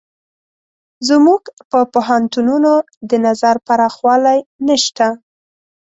زموږ په پوهنتونونو د نظر پراخوالی نشته.